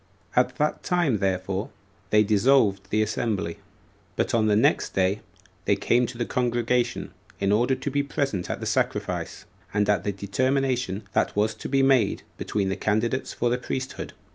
At that time therefore they dissolved the assembly. But on the next day they came to the congregation, in order to be present at the sacrifice, and at the determination that was to be made between the candidates for the priesthood.